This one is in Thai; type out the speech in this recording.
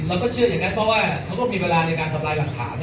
เราก็เชื่ออย่างนั้นเพราะว่าเค้ามันมีเวลาในการเกาะขัด